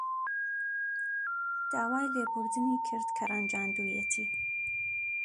داوای لێبوردنی کرد کە ڕەنجاندوویەتی.